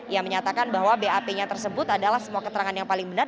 yang menyatakan bahwa bap nya tersebut adalah semua keterangan yang paling benar